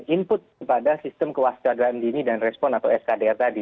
input kepada sistem kewaspadaan dini dan respon atau skdr tadi